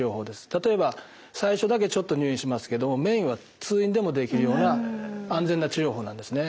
例えば最初だけちょっと入院しますけどメインは通院でもできるような安全な治療法なんですね。